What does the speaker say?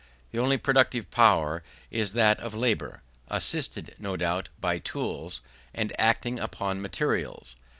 The only productive power is that of labour; assisted, no doubt, by tools, and acting upon materials.